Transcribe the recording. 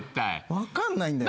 分かんないんだよ。